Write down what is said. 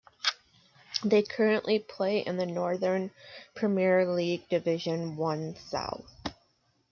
They currently play in the Northern Premier League Division One South.